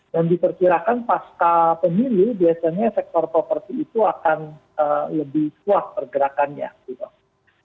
dan diperkirakan pasca pemilu biasanya sektor properti itu akan lebih kuat pergerakannya gitu